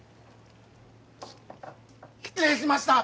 し失礼しました！